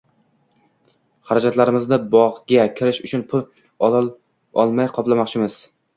Xarajatlarimizni bog‘ga kirish uchun pul olmay qoplamoqchimiz